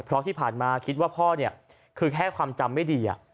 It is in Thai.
เพราะที่ผ่านมาคิดว่าพ่อเนี่ยคือแค่ความจำไม่ดี